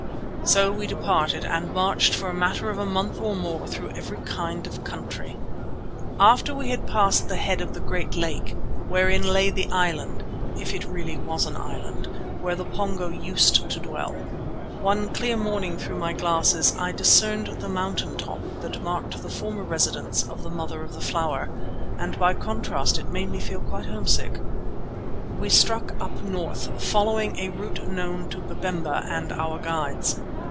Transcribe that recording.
So we departed and marched for the matter of a month or more through every kind of country. After we had passed the head of the great lake wherein lay the island, if it really was an island, where the Pongo used to dwell (one clear morning through my glasses I discerned the mountain top that marked the former residence of the Mother of the Flower, and by contrast it made me feel quite homesick), we struck up north, following a route known to Babemba and our guides.